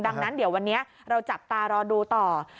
ดังนั้นเดี๋ยววันนี้เราจับตารอดูต่อ